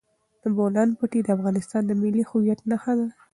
د بولان پټي د افغانستان د ملي هویت نښه ده.